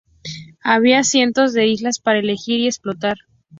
Había cientos de islas para elegir y explorar.